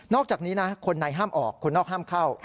อกจากนี้นะคนในห้ามออกคนนอกห้ามเข้า